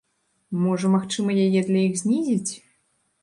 Можа магчыма яе для іх знізіць?